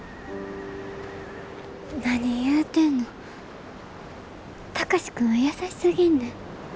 何言うてんの貴司君は優しすぎんねん。